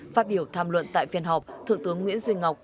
phát biểu tham luận tại phiên họp thủ tướng nguyễn duyên ngọc